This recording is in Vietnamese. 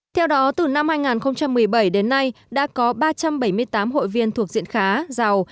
theo đó từ năm hai nghìn một mươi bảy đến nay đã có ba trăm bảy mươi tám hội viên thuộc diện khá giàu